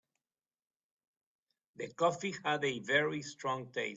The coffee had a very strong taste.